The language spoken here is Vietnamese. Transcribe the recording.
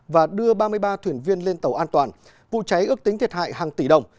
và đưa ba mươi ba thuyền viên lên tàu an toàn vụ cháy ước tính thiệt hại hàng tỷ đồng